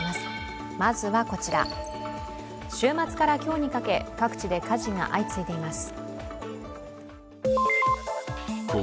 週末から今日にかけ、各地で火事が相次いでいます。